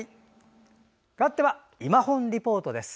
かわっては「いまほんリポート」です。